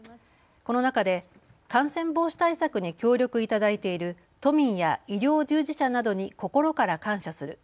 この中で、感染防止対策に協力いただいている都民や医療従事者などに心から感謝する。